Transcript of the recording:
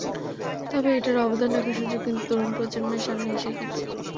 তবে একটা অবদান রাখার সুযোগ কিন্তু তরুণ প্রজন্মের সামনে এসে গেছে।